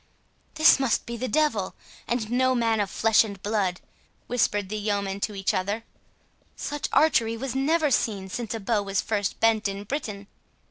"This must be the devil, and no man of flesh and blood," whispered the yeomen to each other; "such archery was never seen since a bow was first bent in Britain."